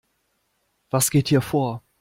Was geht hier vor?